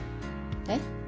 えっ？